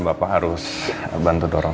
bapak harus bantu dorong